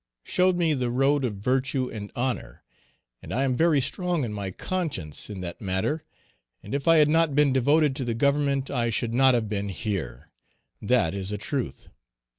showed me the road of virtue and honor, and I am very strong in my conscience in that matter; and if I had not been devoted to the Government, I should not have been here, that is a truth!